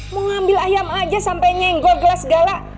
mau ngambil ayam aja sampai nyenggor gelas gala